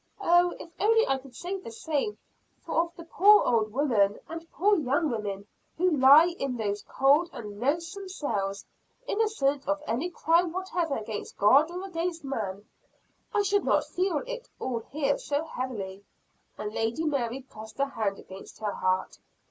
"Oh, if I only could say the same of the poor old women, and poor young women, now lying in those cold and loathsome cells innocent of any crime whatever either against God or against man I should not feel it all here so heavily," and Lady Mary pressed her hand against her heart.